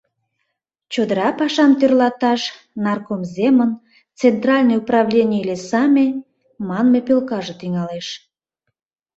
Чодыра пашам тӧрлаташ наркомземын «Центральное управление лесами» манме пӧлкаже тӱҥалеш.